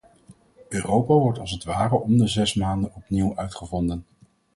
Europa wordt als het ware om de zes maanden opnieuw uitgevonden.